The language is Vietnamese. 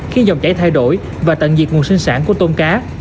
khi dòng chảy thay đổi và tận diệt nguồn sinh sản của tôm cá